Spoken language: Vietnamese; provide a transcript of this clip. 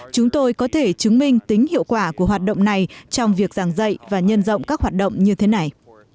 chúng tôi có thể chứng minh tính hiệu quả của hoạt động này trong việc giảng dạy và nhân rộng các hoạt động như thế này